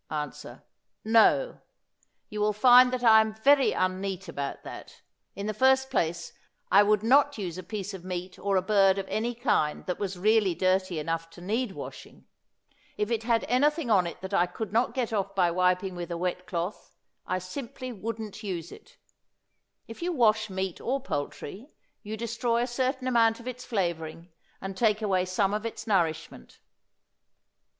Answer. No; you will find that I am very un neat about that. In the first place, I would not use a piece of meat or a bird of any kind that was really dirty enough to need washing. If it had anything on it that I could not get off by wiping with a wet cloth, I simply wouldn't use it. If you wash meat or poultry you destroy a certain amount of its flavoring and take away some of its nourishment.